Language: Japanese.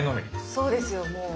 そうですよもう。